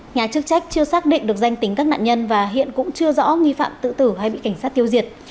nhà chức trách chưa xác định được danh tính các nạn nhân và hiện cũng chưa rõ nghi phạm tự tử hay bị cảnh sát tiêu diệt